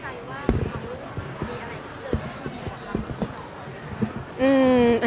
แต่เหมือนน้องมั่นใจว่า